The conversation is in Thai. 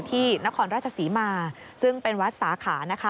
นครราชศรีมาซึ่งเป็นวัดสาขานะคะ